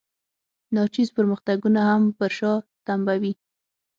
ناچیز پرمختګونه هم پر شا تمبوي.